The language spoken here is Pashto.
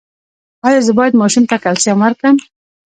ایا زه باید ماشوم ته کلسیم ورکړم؟